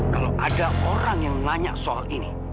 kalau ada orang yang nanya soal ini